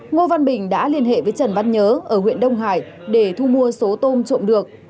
ngô văn bình đã liên hệ với trần văn nhớ ở huyện đông hải để thu mua số tôm trộm được